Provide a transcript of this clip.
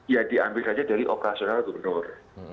ya diambil saja dari operasional gubernur